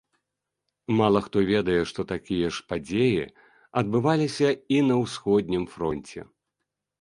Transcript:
Мала хто ведае, што такія ж падзеі адбываліся і на ўсходнім фронце.